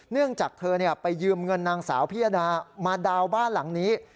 เนื่องจากเธอไปยืมเงินนางสาวพิยดามาดาวน์บ้านหลังนี้